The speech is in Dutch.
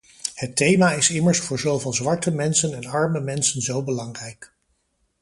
Het thema is immers voor zoveel zwarte mensen en arme mensen zo belangrijk.